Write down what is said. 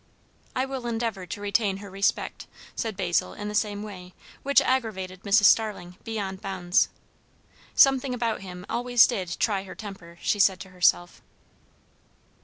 "I will endeavour to retain her respect," said Basil in the same way; which aggravated Mrs. Starling, beyond bounds. Something about him always did try her temper, she said to herself.